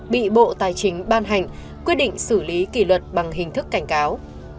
bị bộ tài chính ban hành quyết định xử lý kỷ luật bằng hình thức cảnh cáo